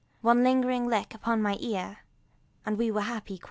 One lingering lick upon my ear And we were happy quite.